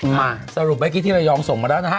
มาสรุปเมื่อกี้ที่ระยองส่งมาแล้วนะฮะ